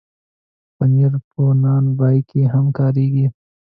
پنېر په نان بای کې هم کارېږي.